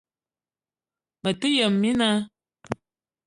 Mete yëm mina